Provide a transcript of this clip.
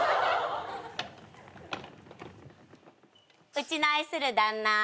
うちの愛する旦那。